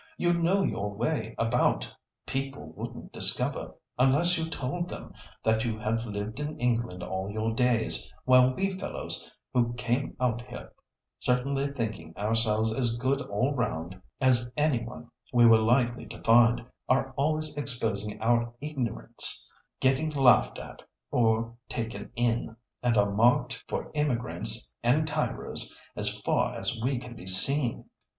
You'd know your way about; people wouldn't discover, unless you told them, that you had lived in England all your days, while we fellows, who came out here certainly thinking ourselves as good all round as any one we were likely to find, are always exposing our ignorance, getting laughed at, or taken in, and are marked for immigrants and tyros as far as we can be seen."